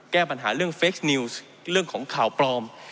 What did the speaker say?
แก้ปัญหาเรื่องเฟคนิวส์เรื่องของข่าวปลอม